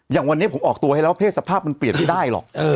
อย่างวันนี้ผมออกตัวให้แล้วเพศสภาพมันเปลี่ยนไม่ได้หรอก